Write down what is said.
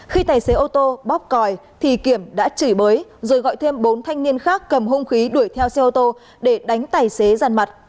khi tài xế ô tô bóp còi thì kiểm đã chửi bới rồi gọi thêm bốn thanh niên khác cầm hung khí đuổi theo xe ô tô để đánh tài xế giàn mặt